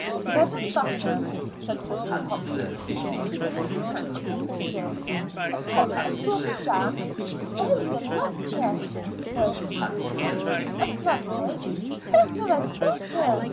"Bread and butter," said Mrs. Hopkins, beginning to count on her fingers, "a pot of strawberry jam " "Oh, golloptious!" burst from Susy. "A plumcake " "Better and better!"